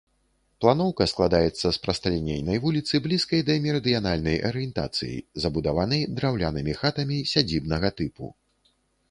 Планоўка складаецца з прасталінейнай вуліцы, блізкай да мерыдыянальнай арыентацыі, забудаванай драўлянымі хатамі сядзібнага тыпу.